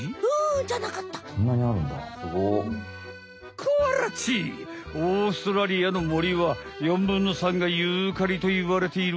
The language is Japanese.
コアラちオーストラリアのもりは４ぶんの３がユーカリといわれている。